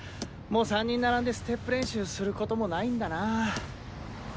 もう３人並んでステップ練習することもないんだな。